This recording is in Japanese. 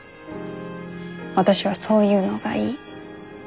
私はそういうのがいい。